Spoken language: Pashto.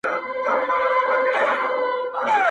په لمن کي یې ور واچول قندونه!!